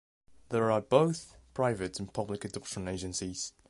There are both private and public adoption agencies.